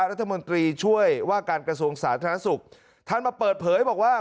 รัฐมนตรีช่วยว่าการกระทรวงสาธารณสุขท่านมาเปิดเผยบอกว่า